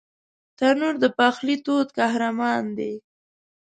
تنور د پخلي تود قهرمان دی